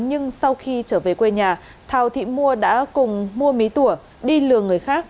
nhưng sau khi trở về quê nhà thảo thị mua đã cùng mua mí tùa đi lừa người khác